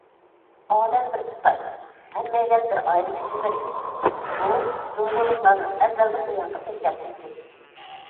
ئالەم بىر تۇتاش، ھەممەيلەن بىر ئائىلە كىشىلىرى، بۇ جۇڭگولۇقلارنىڭ ئەزەلدىن بۇيانقى تەشەببۇسى.